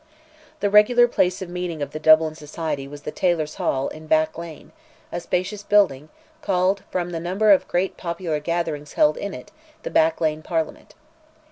The regular place of meeting of the Dublin society was the Tailors' Hall, in Back Lane, a spacious building, called, from the number of great popular gatherings held in it, "the Back Lane Parliament."